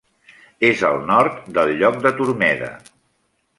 És al nord del lloc de Turmeda.